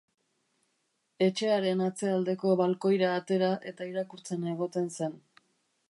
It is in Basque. Etxearen atzealdeko balkoira atera eta irakurtzen egoten zen.